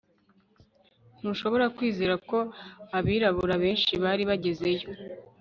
Ntushobora kwizera ko abirabura benshi bari bagezeyo